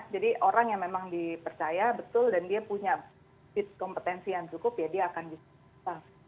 jadi orang yang memang dipercaya betul dan dia punya kompetensi yang cukup dia akan disukai